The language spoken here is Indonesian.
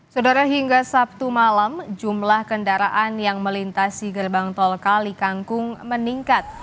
saudara hingga sabtu malam jumlah kendaraan yang melintasi gerbang tol kali kangkung meningkat